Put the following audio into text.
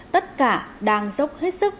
tất cả đang dốc hết sức